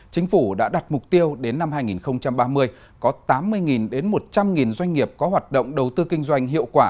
chính phủ đã đặt mục tiêu đến năm hai nghìn ba mươi có tám mươi đến một trăm linh doanh nghiệp có hoạt động đầu tư kinh doanh hiệu quả